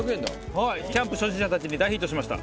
キャンプ初心者たちに大ヒットしました。